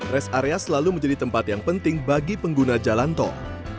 rest area selalu menjadi tempat yang penting bagi pengguna jalan tol